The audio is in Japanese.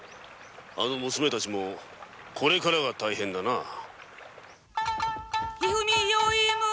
あの娘達もこれからが大変だなあ。